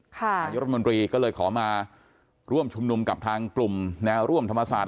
นายรัฐมนตรีก็เลยขอมาร่วมชุมนุมกับทางกลุ่มแนวร่วมธรรมศาสตร์